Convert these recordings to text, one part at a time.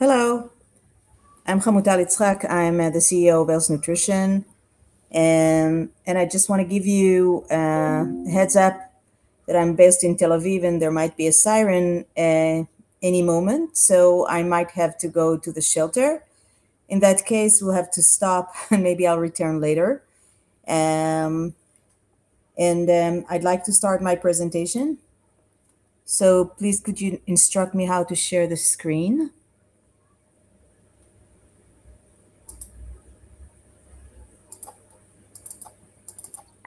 Hello. I'm Hamutal Yitzhak. I am the CEO of Else Nutrition, and I just wanna give you a heads up that I'm based in Tel Aviv, and there might be a siren at any moment, so I might have to go to the shelter. In that case, we'll have to stop, and maybe I'll return later. And then I'd like to start my presentation. Please could you instruct me how to share the screen?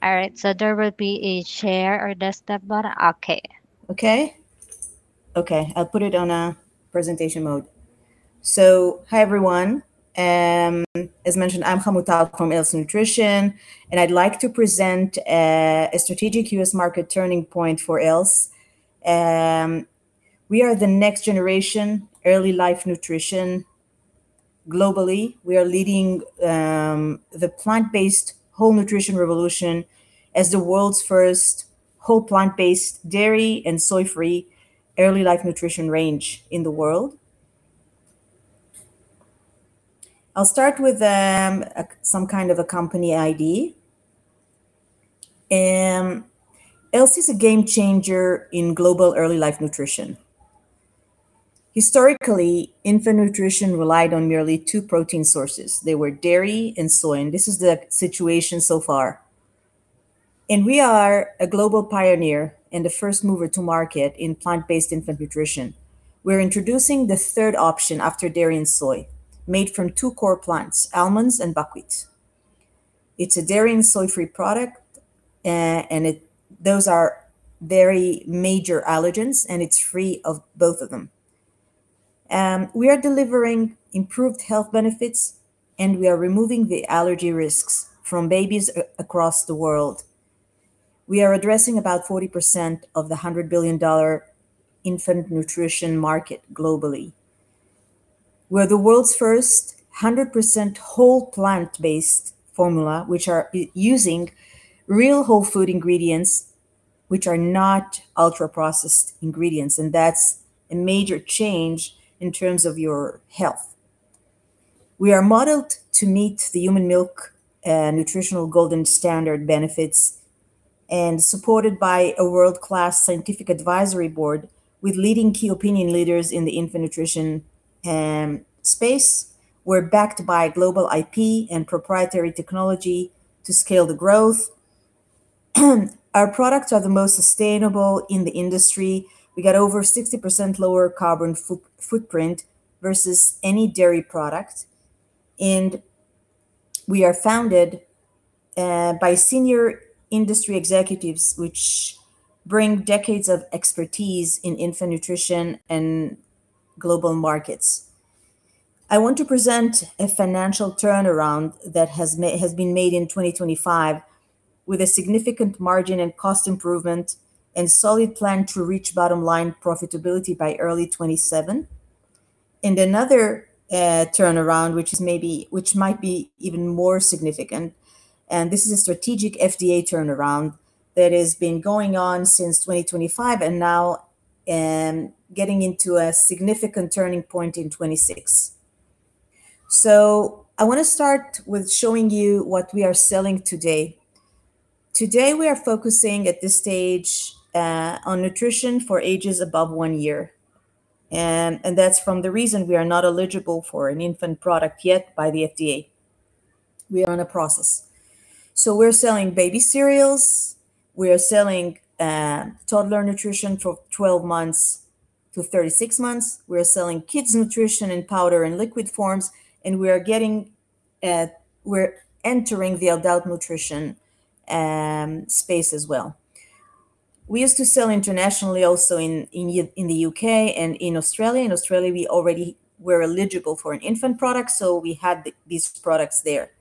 All right, there will be a Share or Desktop button. Okay. Okay? Okay, I'll put it on presentation mode. Hi, everyone. As mentioned, I'm Hamutal from Else Nutrition, and I'd like to present a strategic U.S. market turning point for Else. We are the next generation early life nutrition. Globally, we are leading the plant-based home nutrition revolution as the world's first whole plant-based dairy and soy-free early life nutrition range in the world. I'll start with some kind of a company ID. Else is a game changer in global early life nutrition. Historically, infant nutrition relied on merely two protein sources. They were dairy and soy, and this is the situation so far. We are a global pioneer and the first mover to market in plant-based infant nutrition. We're introducing the third option after dairy and soy, made from two core plants, almonds and buckwheat. It's a dairy and soy-free product, those are very major allergens, and it's free of both of them. We are delivering improved health benefits, and we are removing the allergy risks from babies across the world. We are addressing about 40% of the $100 billion infant nutrition market globally. We're the world's first 100% whole plant-based formula, which are using real whole food ingredients, which are not ultra-processed ingredients, and that's a major change in terms of your health. We are modeled to meet the human milk nutritional golden standard benefits and supported by a world-class scientific advisory board with leading key opinion leaders in the infant nutrition space. We're backed by global IP and proprietary technology to scale the growth. Our products are the most sustainable in the industry. We got over 60% lower carbon footprint versus any dairy product, and we are founded by senior industry executives, which bring decades of expertise in infant nutrition and global markets. I want to present a financial turnaround that has been made in 2025 with a significant margin and cost improvement and solid plan to reach bottom line profitability by early 2027. Another turnaround, which might be even more significant, and this is a strategic FDA turnaround that has been going on since 2025 and now getting into a significant turning point in 2026. I wanna start with showing you what we are selling today. Today, we are focusing at this stage on nutrition for ages above one year, and that's the reason we are not eligible for an infant product yet by the FDA. We are in a process. We're selling baby cereals. We are selling toddler nutrition for 12 months to 36 months. We are selling kids nutrition in powder and liquid forms, and we're entering the adult nutrition space as well. We used to sell internationally also in the U.K. and in Australia. In Australia, we already were eligible for an infant product, so we had these products there.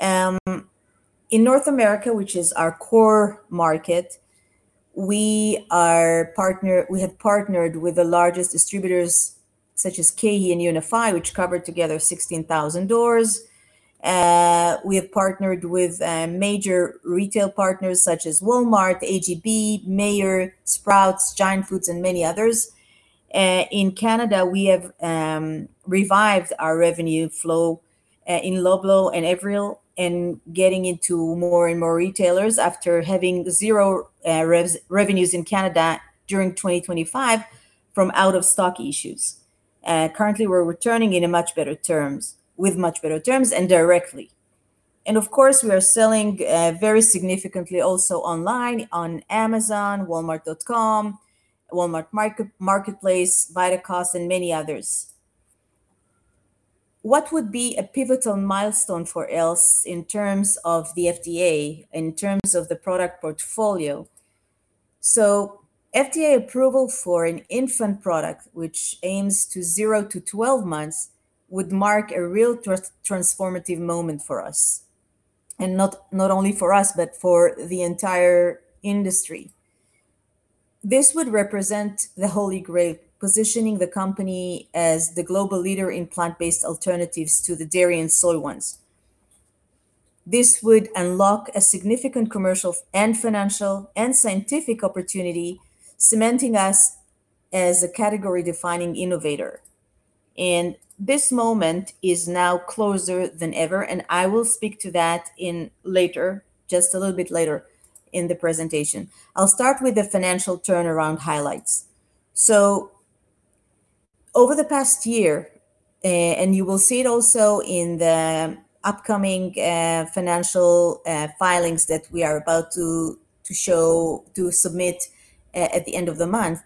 In North America, which is our core market, we have partnered with the largest distributors, such as KeHE and UNFI, which cover together 16,000 doors. We have partnered with major retail partners such as Walmart, H-E-B, Meijer, Sprouts, Giant Food, and many others. In Canada, we have revived our revenue flow in Loblaw and Avril and getting into more and more retailers after having 0 revenues in Canada during 2025 from out-of-stock issues. Currently, we're returning in much better terms, with much better terms and directly. Of course, we are selling very significantly also online on amazon.com, walmart.com, Walmart Marketplace, Vitacost, and many others. What would be a pivotal milestone for Else in terms of the FDA, in terms of the product portfolio? FDA approval for an infant product, which aims to 0 to 12 months, would mark a real transformative moment for us, and not only for us, but for the entire industry. This would represent the Holy Grail, positioning the company as the global leader in plant-based alternatives to the dairy and soy ones. This would unlock a significant commercial and financial and scientific opportunity, cementing us as a category-defining innovator. This moment is now closer than ever, and I will speak to that later, just a little bit later in the presentation. I'll start with the financial turnaround highlights. Over the past year, and you will see it also in the upcoming financial filings that we are about to submit at the end of the month.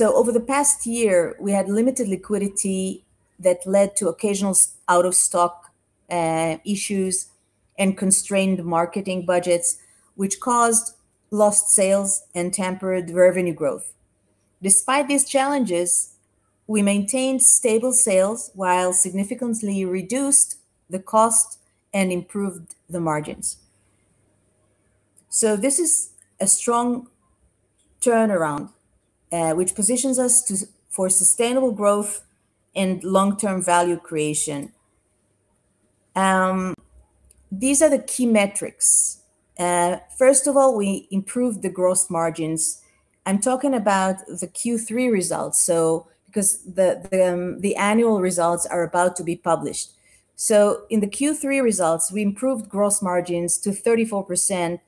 Over the past year, we had limited liquidity that led to occasional out of stock issues and constrained marketing budgets, which caused lost sales and tempered revenue growth. Despite these challenges, we maintained stable sales while significantly reduced the cost and improved the margins. This is a strong turnaround, which positions us for sustainable growth and long-term value creation. These are the key metrics. First of all, we improved the gross margins. I'm talking about the Q3 results because the annual results are about to be published. In the Q3 results, we improved gross margins to 34%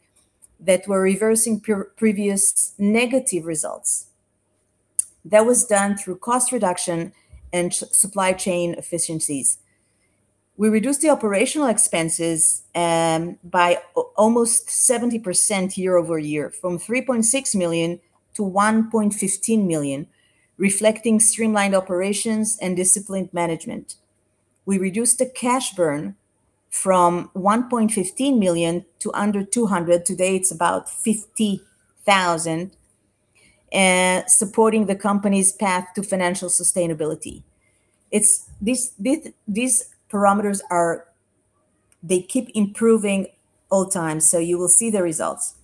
that were reversing previous negative results. That was done through cost reduction and supply chain efficiencies. We reduced the operational expenses by almost 70% year-over-year, from $3.6 million to $1.15 million, reflecting streamlined operations and disciplined management. We reduced the cash burn from $1.15 million to under $200,000. Today, it's about 50,000 supporting the company's path to financial sustainability. These parameters keep improving all the time, so you will see the results.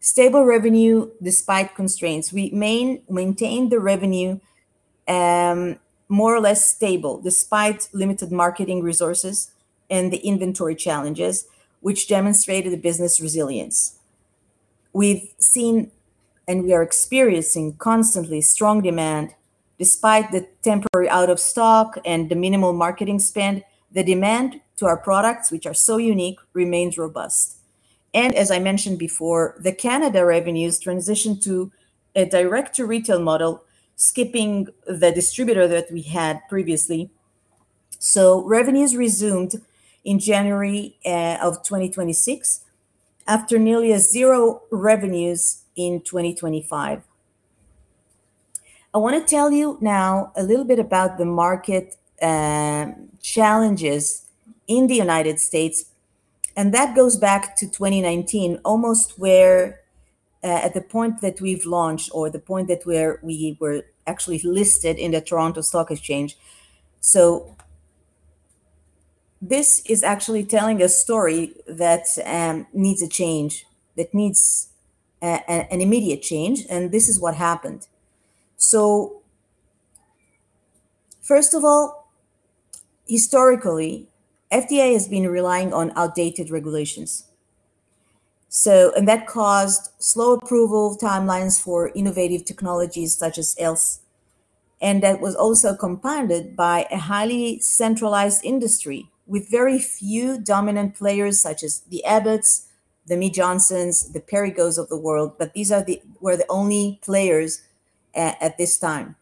Stable revenue despite constraints. We maintained the revenue more or less stable despite limited marketing resources and the inventory challenges, which demonstrated the business resilience. We've seen and we are experiencing constantly strong demand despite the temporary out of stock and the minimal marketing spend. The demand to our products, which are so unique, remains robust. As I mentioned before, the Canadian revenues transitioned to a direct-to-retail model, skipping the distributor that we had previously. Revenues resumed in January of 2026 after nearly zero revenues in 2025. I want to tell you now a little bit about the market challenges in the United States, and that goes back to 2019, almost where at the point that we've launched or the point where we were actually listed in the Toronto Stock Exchange. This is actually telling a story that needs a change, that needs an immediate change, and this is what happened. First of all, historically, FDA has been relying on outdated regulations, and that caused slow approval timelines for innovative technologies such as Else. That was also compounded by a highly centralized industry with very few dominant players such as the Abbott, the Mead Johnson, the Perrigo of the world, but these were the only players at this time.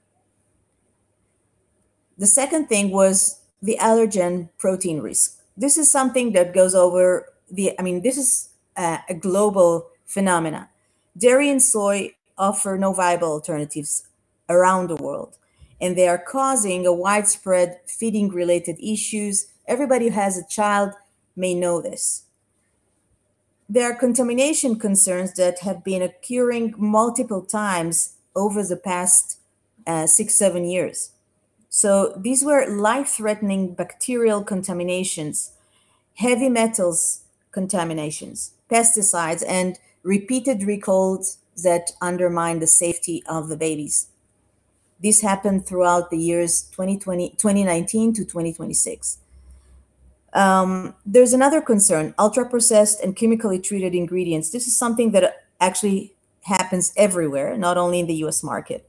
The second thing was the allergen protein risk. This is something that goes over the... I mean, this is a global phenomenon. Dairy and soy offer no viable alternatives around the world, and they are causing widespread feeding-related issues. Everybody who has a child may know this. There are contamination concerns that have been occurring multiple times over the past 6-7 years. These were life-threatening bacterial contaminations, heavy metals contaminations, pesticides, and repeated recalls that undermine the safety of the babies. This happened throughout the years 2019-2026. There's another concern, ultra-processed and chemically treated ingredients. This is something that actually happens everywhere, not only in the U.S. market.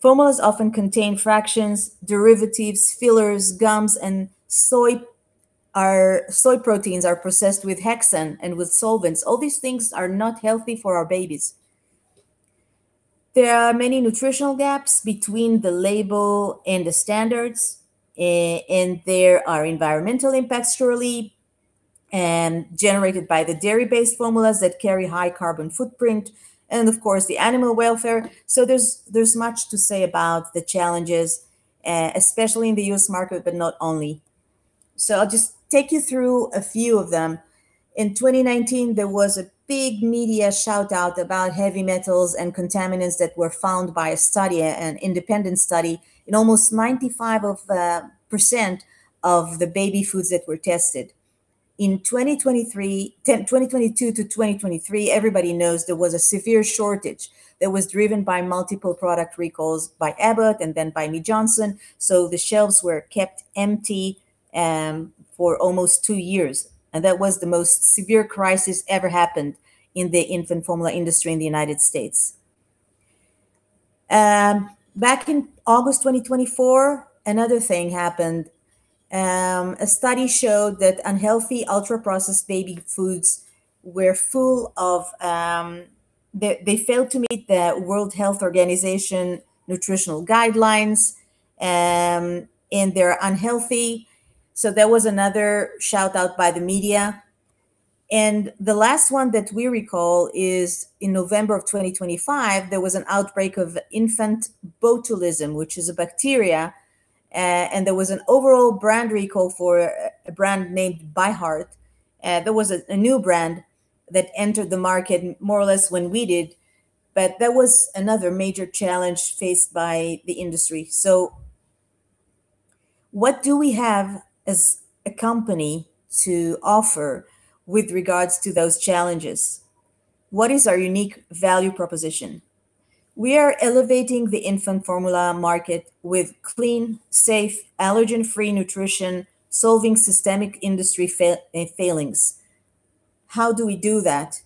Formulas often contain fractions, derivatives, fillers, gums, and soy. Our soy proteins are processed with hexane and with solvents. All these things are not healthy for our babies. There are many nutritional gaps between the label and the standards, and there are environmental impacts surely and generated by the dairy-based formulas that carry high carbon footprint and of course, the animal welfare. There's much to say about the challenges, especially in the U.S. market, but not only. I'll just take you through a few of them. In 2019, there was a big media shout-out about heavy metals and contaminants that were found by a study, an independent study in almost 95% of the baby foods that were tested. In 2022 to 2023, everybody knows there was a severe shortage that was driven by multiple product recalls by Abbott and then by Mead Johnson, so the shelves were kept empty for almost two years, and that was the most severe crisis ever happened in the infant formula industry in the United States. Back in August 2024, another thing happened. A study showed that unhealthy ultra-processed baby foods were full of. They failed to meet the World Health Organization nutritional guidelines, and they're unhealthy. There was another shout-out by the media. The last one that we recall is in November 2025, there was an outbreak of infant botulism, which is a bacteria, and there was an overall brand recall for a brand named ByHeart. There was a new brand that entered the market more or less when we did, but that was another major challenge faced by the industry. What do we have as a company to offer with regards to those challenges? What is our unique value proposition? We are elevating the infant formula market with clean, safe, allergen-free nutrition, solving systemic industry failings. How do we do that?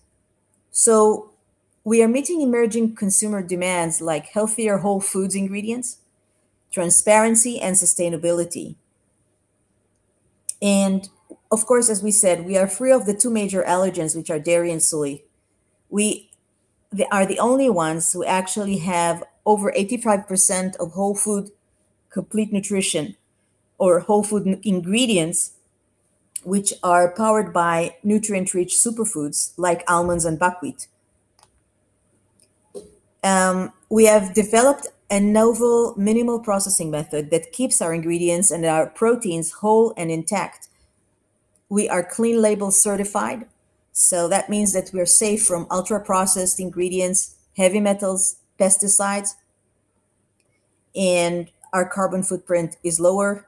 We are meeting emerging consumer demands like healthier whole foods ingredients, transparency, and sustainability. Of course, as we said, we are free of the two major allergens, which are dairy and soy. They are the only ones who actually have over 85% of whole food complete nutrition or whole food ingredients, which are powered by nutrient-rich superfoods like almonds and buckwheat. We have developed a novel minimal processing method that keeps our ingredients and our proteins whole and intact. We are Clean Label certified, so that means that we are safe from ultra-processed ingredients, heavy metals, pesticides, and our carbon footprint is lower.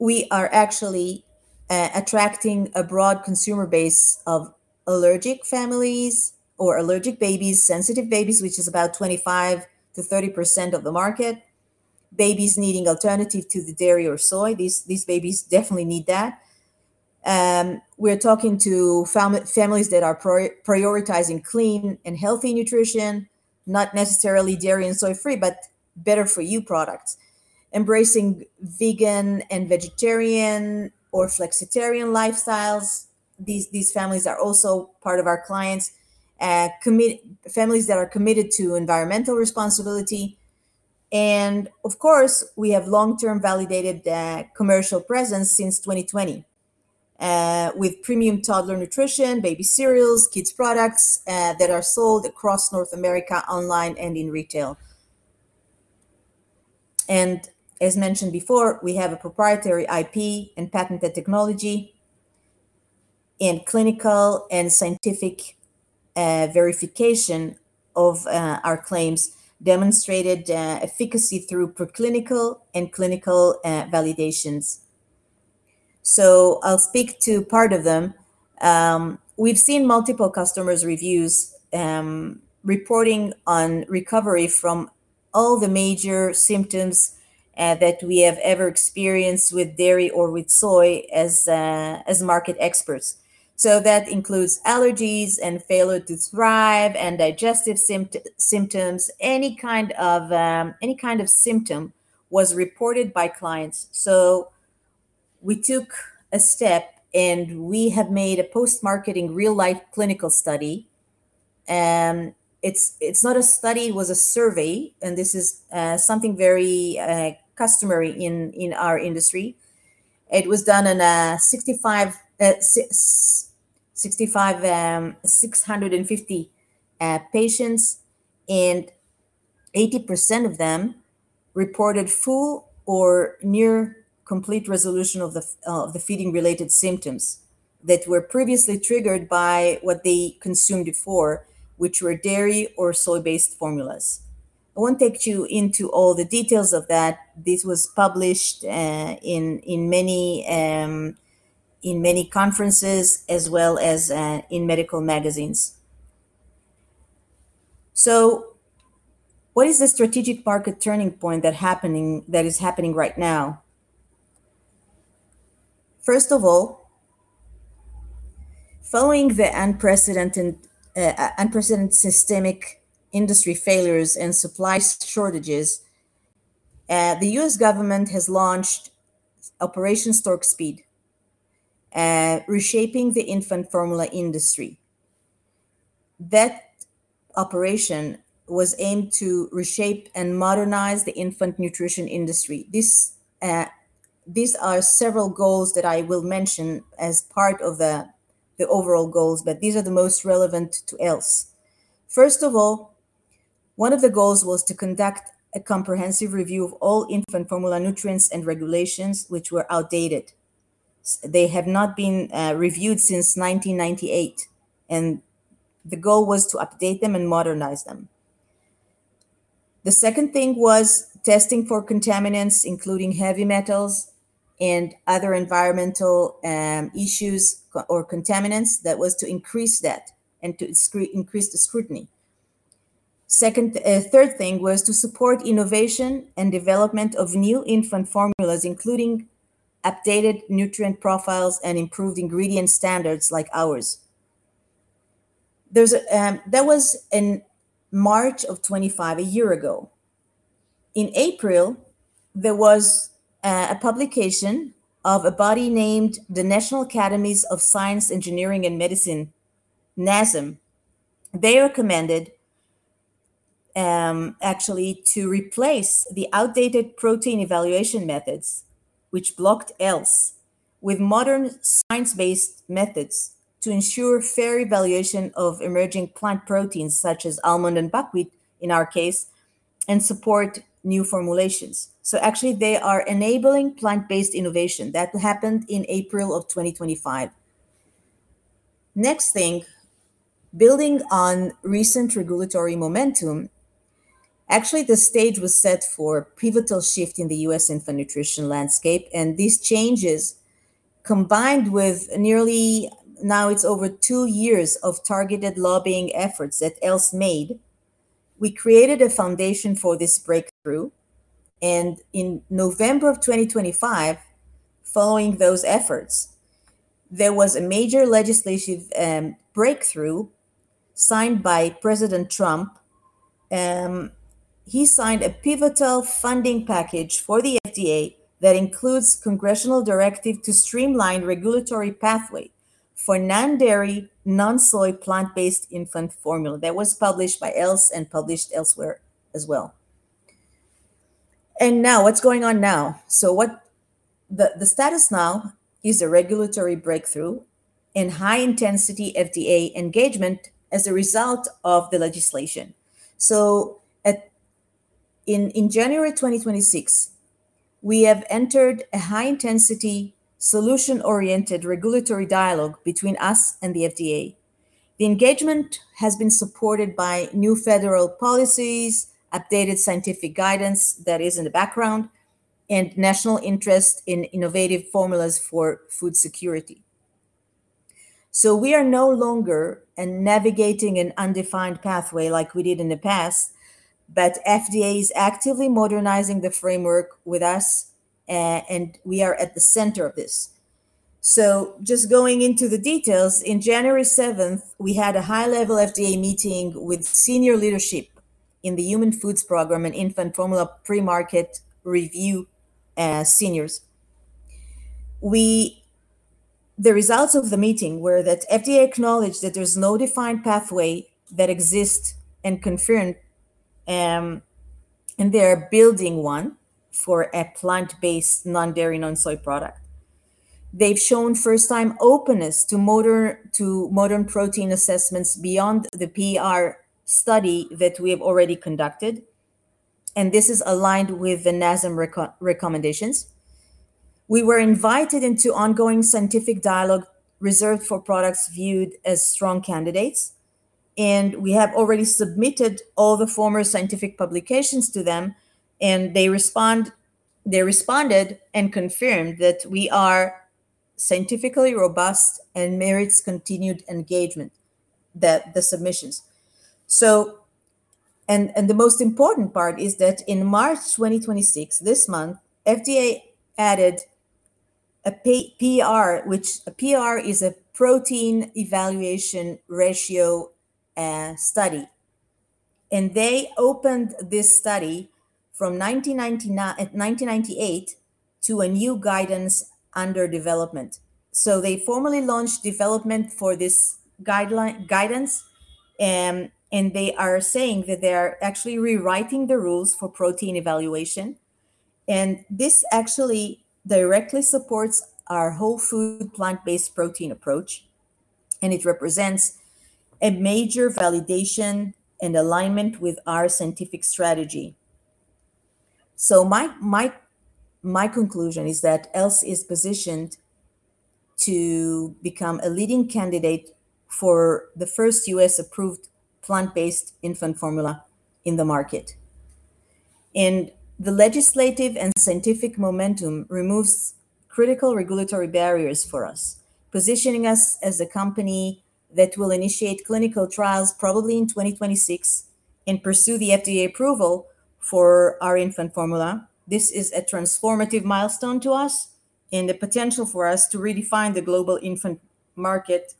We are actually attracting a broad consumer base of allergic families or allergic babies, sensitive babies, which is about 25%-30% of the market, babies needing alternative to the dairy or soy. These babies definitely need that. We're talking to families that are prioritizing clean and healthy nutrition, not necessarily dairy and soy-free, but better-for-you products, embracing vegan and vegetarian or flexitarian lifestyles. These families are also part of our clients. Families that are committed to environmental responsibility. Of course, we have long-term validated that commercial presence since 2020, with premium toddler nutrition, baby cereals, kids products, that are sold across North America online and in retail. As mentioned before, we have a proprietary IP and patented technology and clinical and scientific verification of our claims demonstrated efficacy through preclinical and clinical validations. I'll speak to part of them. We've seen multiple customers' reviews reporting on recovery from all the major symptoms that we have ever experienced with dairy or with soy as market experts. That includes allergies and failure to thrive and digestive symptoms. Any kind of symptom was reported by clients. We took a step, and we have made a post-marketing real-life clinical study. It's not a study, it was a survey, and this is something very customary in our industry. It was done in 665 patients, and 80% of them reported full or near complete resolution of the feeding-related symptoms that were previously triggered by what they consumed before, which were dairy or soy-based formulas. I won't take you into all the details of that. This was published in many conferences as well as in medical magazines. What is the strategic market turning point that is happening right now? First of all, following the unprecedented systemic industry failures and supply shortages, the U.S. government has launched Operation Stork Speed, reshaping the infant formula industry. That operation was aimed to reshape and modernize the infant nutrition industry. This, these are several goals that I will mention as part of the overall goals, but these are the most relevant to ELSE. First of all, one of the goals was to conduct a comprehensive review of all infant formula nutrients and regulations which were outdated. They had not been reviewed since 1998, and the goal was to update them and modernize them. The second thing was testing for contaminants, including heavy metals and other environmental issues or contaminants. That was to increase that and to increase the scrutiny. Second, third thing was to support innovation and development of new infant formulas, including updated nutrient profiles and improved ingredient standards like ours. There's, that was in March of 2025, a year ago. In April, there was a publication of a body named the National Academies of Sciences, Engineering, and Medicine, NASEM. They recommended actually to replace the outdated protein evaluation methods, which blocked Else, with modern science-based methods to ensure fair evaluation of emerging plant proteins such as almond and buckwheat, in our case, and support new formulations. Actually they are enabling plant-based innovation. That happened in April 2025. Next thing, building on recent regulatory momentum. Actually, the stage was set for a pivotal shift in the U.S. infant nutrition landscape, and these changes, combined with over two years of targeted lobbying efforts that Else made, we created a foundation for this breakthrough. In November 2025, following those efforts, there was a major legislative breakthrough signed by President Trump. He signed a pivotal funding package for the FDA that includes congressional directive to streamline regulatory pathway for non-dairy, non-soy, plant-based infant formula. That was published by Else and published elsewhere as well. Now, what's going on now? The status now is a regulatory breakthrough and high-intensity FDA engagement as a result of the legislation. In January 2026, we have entered a high-intensity, solution-oriented regulatory dialogue between us and the FDA. The engagement has been supported by new federal policies, updated scientific guidance that is in the background, and national interest in innovative formulas for food security. We are no longer navigating an undefined pathway like we did in the past, but FDA is actively modernizing the framework with us, and we are at the center of this. Just going into the details, in January 7, we had a high-level FDA meeting with senior leadership in the Human Foods Program and Infant Formula Pre-market Review. The results of the meeting were that FDA acknowledged that there's no defined pathway that exists and confirmed they are building one for a plant-based, non-dairy, non-soy product. They've shown first-time openness to modern protein assessments beyond the PER study that we have already conducted, and this is aligned with the NASEM recommendations. We were invited into ongoing scientific dialogue reserved for products viewed as strong candidates, and we have already submitted all the formal scientific publications to them, and they responded and confirmed that we are scientifically robust and merits continued engagement, the submissions. The most important part is that in March 2026, this month, FDA added a PER, which a PER is a protein efficiency ratio study. They opened this study from 1998 to a new guidance under development. They formally launched development for this guidance, and they are saying that they are actually rewriting the rules for protein efficiency. This actually directly supports our whole food plant-based protein approach, and it represents a major validation and alignment with our scientific strategy. My conclusion is that Else is positioned to become a leading candidate for the first U.S.-approved plant-based infant formula in the market. The legislative and scientific momentum removes critical regulatory barriers for us, positioning us as a company that will initiate clinical trials probably in 2026 and pursue the FDA approval for our infant formula. This is a transformative milestone to us and the potential for us to redefine the global infant market,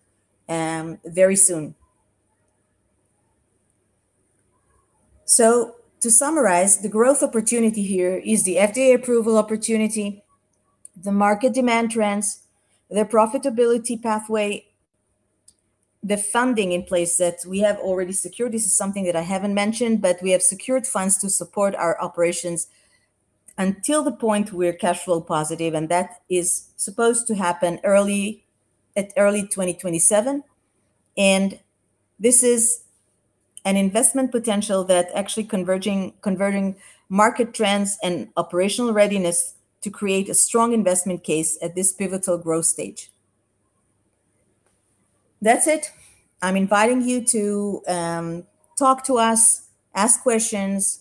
very soon. To summarize, the growth opportunity here is the FDA approval opportunity, the market demand trends, the profitability pathway, the funding in place that we have already secured. This is something that I haven't mentioned, but we have secured funds to support our operations until the point we're cash flow positive, and that is supposed to happen early 2027. This is an investment potential that actually converging, converting market trends and operational readiness to create a strong investment case at this pivotal growth stage. That's it. I'm inviting you to talk to us, ask questions,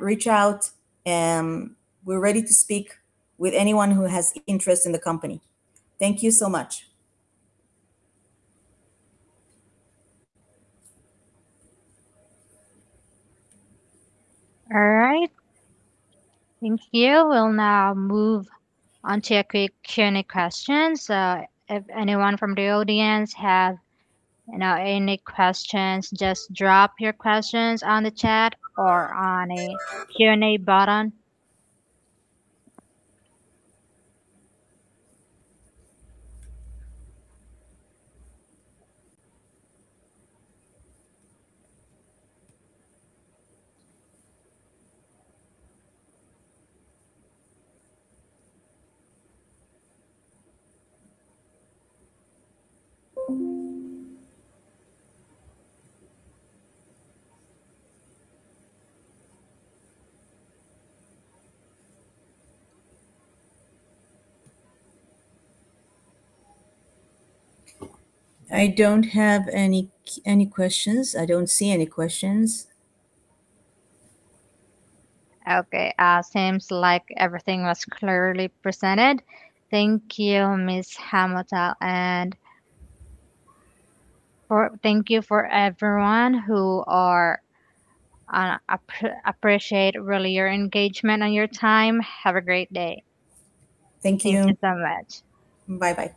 reach out. We're ready to speak with anyone who has interest in the company. Thank you so much. All right. Thank you. We'll now move on to a quick Q&A questions. If anyone from the audience have, you know, any questions, just drop your questions on the chat or on a Q&A button. I don't have any questions. I don't see any questions. Okay. Seems like everything was clearly presented. Thank you, Ms. Hamutal Yitzhak, and thank you to everyone. We really appreciate your engagement and your time. Have a great day. Thank you. Thank you so much. Bye-bye.